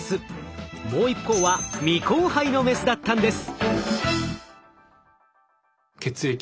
もう一方は未交配のメスだったんです。